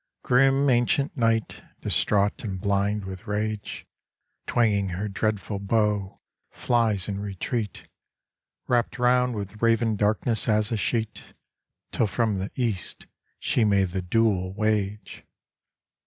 Grim ancient Night, distraught and blind with rage, Twanging her dreadful bow, flies in retreat, Wrapt round with raven darkness as a sheet, Till from the east she may the duel wage.